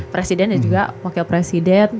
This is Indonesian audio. presiden dan juga wakil presiden